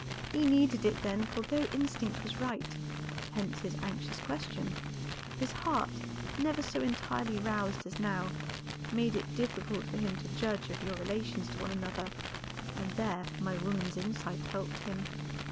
He needed it then, for though instinct was right, hence his anxious question, his heart, never so entirely roused as now, made it difficult for him to judge of your relations to one another, and there my woman's insight helped him."